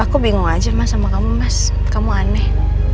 aku bingung aja mas sama kamu mas kamu aneh